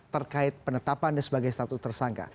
terkait penetapan dan sebagai status tersangka